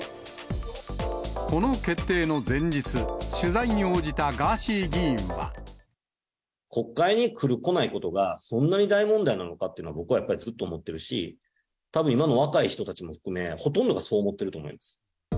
この決定の前日、国会に来る、来ないことが、そんなに大問題なのかっていうのは、僕はやっぱり、ずっと思ってるし、たぶん今の若い人たちも含め、ほとんどがそう思っていると思います。